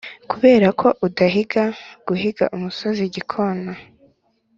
kuberako udahiga guhiga umusozi igikona